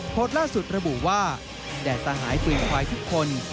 โพสต์ล่าสุดระบุว่าแดดสหายฟืนควายทุกคน